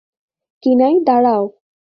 কিনাই, দাঁড়াও।